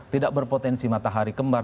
tidak berpotensi matahari kembar